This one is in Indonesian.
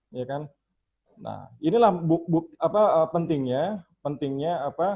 nah inilah buku pentingnya